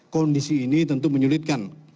kondisi ini tentu menyulitkan